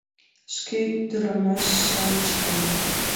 Шкет ӱдырамаш-шамычлан.